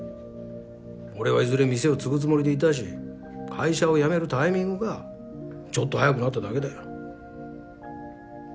俺はいずれ店を継ぐつもりでいたし会社を辞めるタイミングがちょっと早くなっただけだよ。